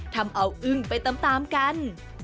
ทำเอาอึ้งไปตามกัน